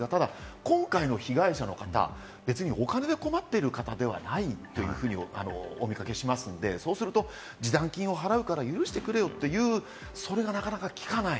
今回の被害者の方、お金に困ってる方ではないというふうにお見受けしますので、そうすると示談金を払うから許してくれよという、それがなかなかきかない。